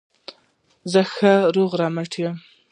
زه ښه روغ رمټ یم.